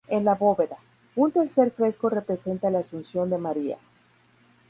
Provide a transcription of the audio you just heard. En la bóveda, un tercer fresco representa la Asunción de María.